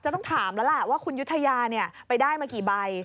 ต้องถามแล้วล่ะว่าคุณยุธยาไปได้มากี่ใบ